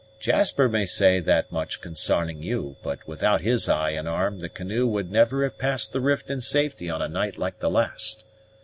Jasper may say that much consarning you; for without his eye and arm the canoe would never have passed the rift in safety on a night like the last.